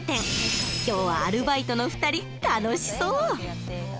今日はアルバイトの２人楽しそう。